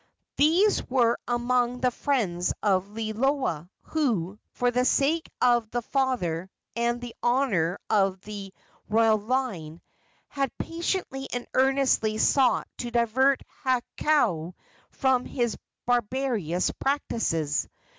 These were among the friends of Liloa who, for the sake of the father and the honor of the royal line, had patiently and earnestly sought to divert Hakau from his barbarous practices.